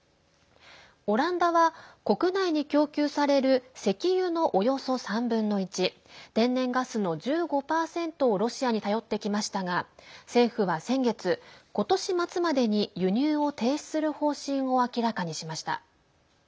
オランダは国内に供給される石油のおよそ３分の１天然ガスの１５％をロシアに頼ってきましたが政府は先月、今年末までに輸入を停止する方針を明らかにしました。